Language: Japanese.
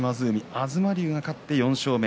東龍、勝って４勝目。